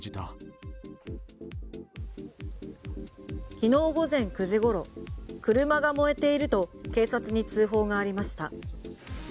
昨日午前９時ごろ車が燃えていると警察に通報がありました。